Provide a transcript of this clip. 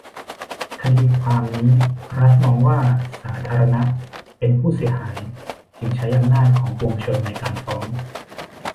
คดีความนี้รัฐมองว่าสาธารณะเป็นผู้เสียหาย จึงใช้อำนาจของปวงชนในการฟ้อง